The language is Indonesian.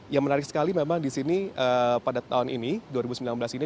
yang menarik sekali memang di sini pada tahun ini dua ribu sembilan belas ini